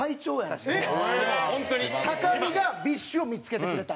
高見がＢｉＳＨを見付けてくれたんよ。